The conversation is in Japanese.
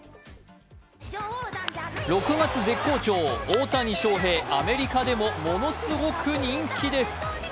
６月絶好調、大谷翔平、アメリカでもものすごく人気です。